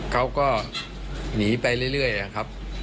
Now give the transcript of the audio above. เขาก็หนีไปเรื่อยครับ